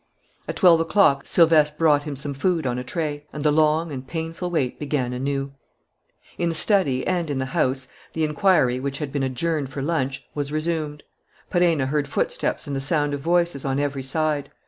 At twelve o'clock Silvestre brought him some food on a tray. And the long and painful wait began anew. In the study and in the house, the inquiry, which had been adjourned for lunch, was resumed. Perenna heard footsteps and the sound of voices on every side.